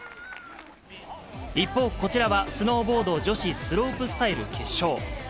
一方、こちらはスノーボード女子スロープスタイル決勝。